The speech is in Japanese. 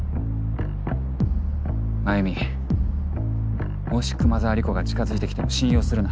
繭美もし熊沢理子が近づいてきても信用するな。